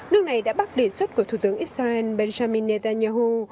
nước này đã bác đề xuất của thủ tướng israel benjamin netanyahu